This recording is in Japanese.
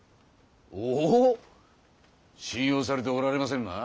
おっ信用されておられませぬな？